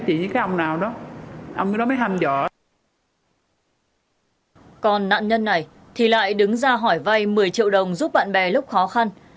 em tính ra hỏi vay một mươi triệu đồng giúp bạn bè lúc khó khăn